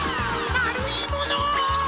まるいもの！